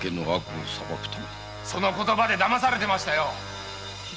その言葉で騙されてましたよ。